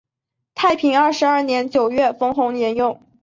太平二十二年九月冯弘沿用。